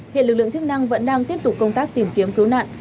hiện lực lượng chức năng vẫn đang tiếp tục công tác tìm kiếm cứu nạn